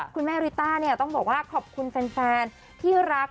คุณแม่ริต้าเนี่ยต้องบอกว่าขอบคุณแฟนที่รัก